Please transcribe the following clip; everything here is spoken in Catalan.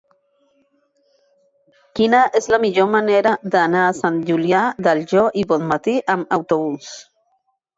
Quina és la millor manera d'anar a Sant Julià del Llor i Bonmatí amb autobús?